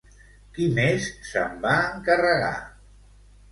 Qui més se'n va encarregar?